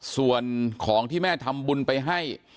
ส่วนของที่แม่ทำบุญไปให้